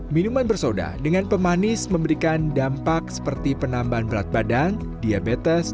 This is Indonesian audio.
minuman bersoda dengan pemanis memberikan dampak seperti penambahan berat badan diabetes